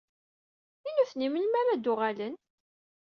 I nutni, melmi ara d-uɣalen?